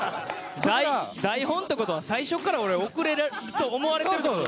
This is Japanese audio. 台本ってことは俺最初から遅れるって思われてるってこと？